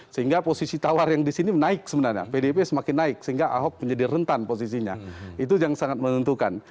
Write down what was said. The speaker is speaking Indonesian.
sehingga posisi tawar yang di sini menaik sebenarnya pdip semakin naik sehingga ahok menjadi rentan posisinya itu yang sangat menentukan